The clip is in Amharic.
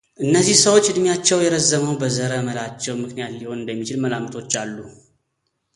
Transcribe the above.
እነዚህ ሰዎች ዕድሜያቸው የረዘመው በዘረ መላቸው ምክንያት ሊሆን እንደሚችል መላ ምቶች አሉ።